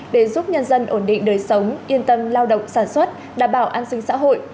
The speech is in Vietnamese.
để giúp nhân dân ổn định đời sống yên tâm lao động sản xuất đảm bảo an sinh xã hội